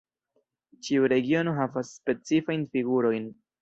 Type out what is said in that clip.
Ĉiu regiono havas specifajn figurojn.